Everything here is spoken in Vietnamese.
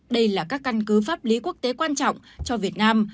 đây là các căn cứ pháp lý quốc tế quan trọng cho việt nam